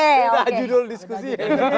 sudah judul diskusi